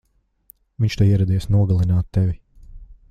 Viņš te ieradies nogalināt tevi!